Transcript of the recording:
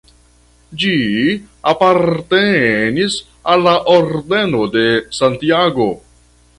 Ĝi apartenis al la Ordeno de Santiago.